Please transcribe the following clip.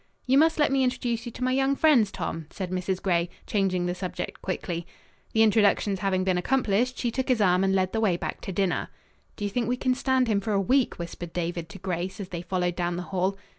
"You must let me introduce you to my young friends, Tom," said Mrs. Gray, changing the subject quickly. The introductions having been accomplished, she took his arm and led the way back to dinner. "Do you think we can stand him for a week?" whispered David to Grace, as they followed down the hall.